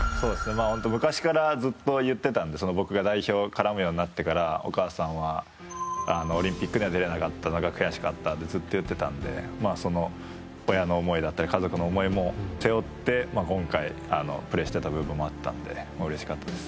昔からずっと言ってたので僕が代表絡むようになってからお母さんはオリンピックに出れなかったのが悔しかったってずっと言っていたんでその親の思いだったり家族の思いも背負って今回、プレーしてた部分もあったのでうれしかったです。